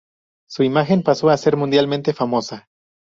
Su imagen pasó a ser mundialmente famosa.